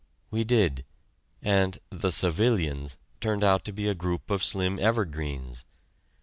We did, and "the civilians" turned out to be a group of slim evergreens.